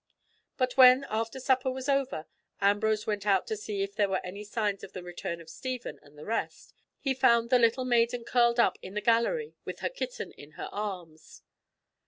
But when, after supper was over, Ambrose went out to see if there were any signs of the return of Stephen and the rest, he found the little maiden curled up in the gallery with her kitten in her arms.